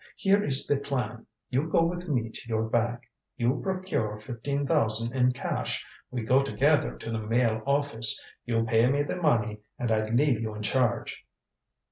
Here is the plan you go with me to your bank. You procure fifteen thousand in cash. We go together to the Mail office. You pay me the money and I leave you in charge."